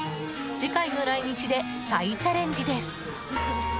次回の来日で再チャレンジです！